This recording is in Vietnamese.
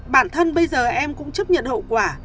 bản thân bây giờ em cũng chấp nhận hậu quả